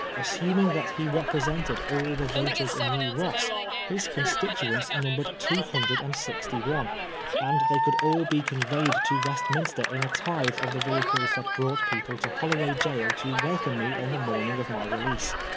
Assuming that he represented all the voters in New Ross, his constituents numbered two hundred and sixty one ; and they could all be conveyed to Westmin ster in a tithe of the vehicles that brought people to Holloway Gaol to welcome me on the morning of my release.